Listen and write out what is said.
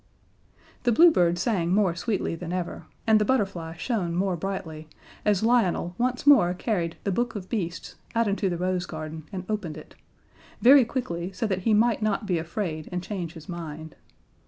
The Blue Bird sang more sweetly than ever, and the Butterfly shone more brightly, as Lionel once more carried The Book of Beasts out into the rose garden, and opened it very quickly, so that he might not be afraid and change his mind.